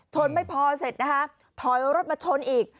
ไม่พอเสร็จนะคะถอยรถมาชนอีก